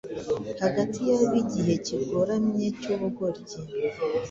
hagati y’ab’igihe kigoramye cy’ubugoryi,